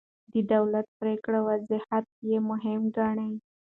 د دولتي پرېکړو وضاحت يې مهم ګاڼه.